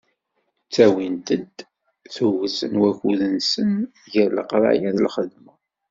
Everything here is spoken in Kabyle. Ttawin-d tuget n wakud-nsen gar leqraya d lxedma.